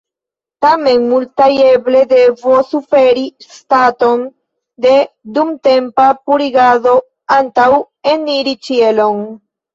Tamen, multaj eble devos suferi staton de dumtempa purigado antaŭ eniri ĉielon.